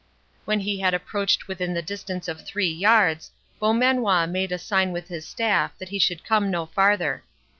When he had approached within the distance of three yards, Beaumanoir made a sign with his staff that he should come no farther.